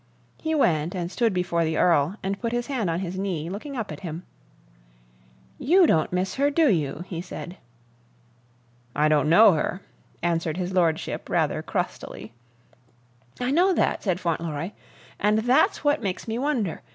He went and stood before the Earl and put his hand on his knee, looking up at him. "YOU don't miss her, do you?" he said. "I don't know her," answered his lordship rather crustily. "I know that," said Fauntleroy, "and that's what makes me wonder.